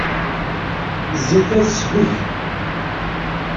Zzit-a tesbek.